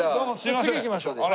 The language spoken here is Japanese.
次行きましょうかね。